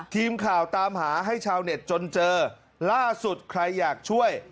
ทีมข่าวตามหาให้ชาวเน็ตจนเจอล่าสุดใครอยากช่วย